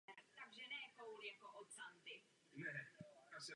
Dell má sídlo v Round Rock v Texasu.